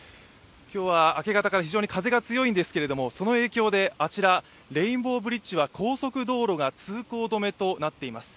今日は明け方から非常に風が強いんですけどその影響であちら、レインボーブリッジは高速道路が通行止めとなっています。